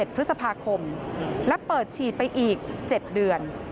๑พฤษภาคมและเปิดฉีดไปอีก๗เดือน